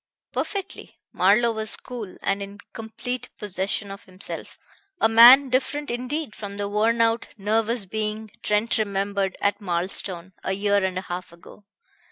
"Perfectly." Marlowe was cool and in complete possession of himself, a man different indeed from the worn out, nervous being Trent remembered at Marlstone a year and a half ago.